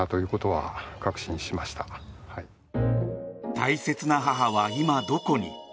大切な母は今、どこに。